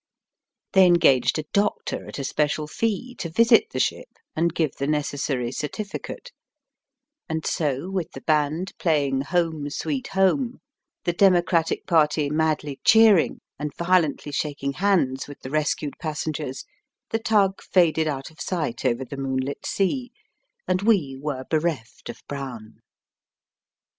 They engaged a doctor at a special fee to visit the ship and give the necessary cer tificate ; and so with the band playing '* Home, Sweet Hom,e," the Democratic party madly cheering, and violently shaking hands with the rescued passengers, the tug faded out of sight over the moonlit sea, and we were bereft of Brown.